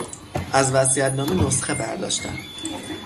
از وصیت نامه نسخه برداشتن